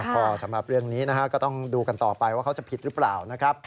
พอสำหรับเรื่องนี้นะฮะก็ต้องดูกันต่อไปว่าเขาจะผิดหรือเปล่านะครับ